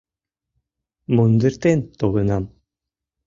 Мундыртен толынам.